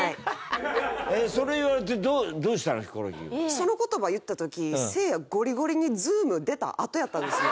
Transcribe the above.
その言葉を言った時せいやゴリゴリにＺｏｏｍ出たあとやったんですよ。